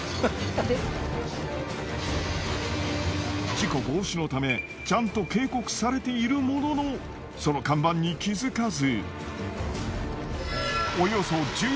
事故防止のためちゃんと警告されているもののその看板に気づかず。